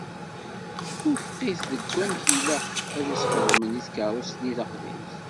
Twufeq-it deg amek ilaq ad s-xedmen i tkeṛṛust-nni taqdimt.